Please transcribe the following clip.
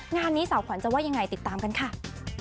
งานนี้สาวขวัญจะว่ายังไงติดตามกันค่ะ